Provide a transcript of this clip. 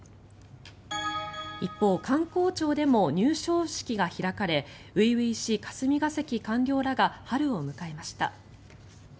一方、官公庁でも入省式が開かれ初々しい霞が関官僚らが春を迎えました。